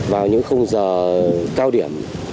vào những khung giờ cao điểm